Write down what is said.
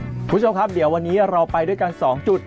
คุณผู้ชมครับเดี๋ยววันนี้เราไปด้วยกัน๒จุด